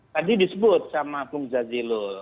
tadi disebut sama bung jazilul